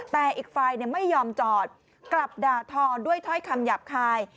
แต่อีกฝ่ายไม่ยอมจอดกลับด่าทอด้วยถ้อยคำหยาบคาย